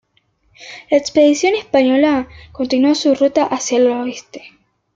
La expedición española continuó su ruta hacia el oeste.